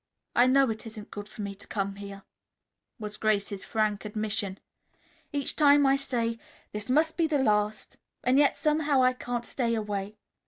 "I know it isn't good for me to come here," was Grace's frank admission. "Each time I say, 'This must be the last,' and yet somehow I can't stay away.